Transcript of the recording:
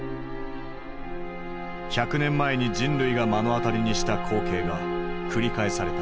１００年前に人類が目の当たりにした光景が繰り返された。